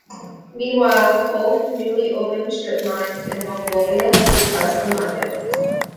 Meanwhile, coal from newly opened strip mines in Mongolia had depressed the market.